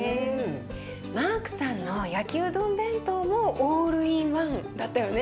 マークさんの焼きうどん弁当もオールインワンだったよね。